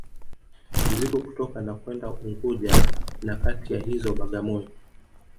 Mizigo kutoka na kwenda Unguja na kati ya hizo Bagamoyo